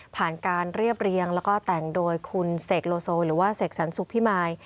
การเรียบเรียงแล้วก็แต่งโดยคุณเสกโลโซหรือว่าเสกสรรสุขพิมาย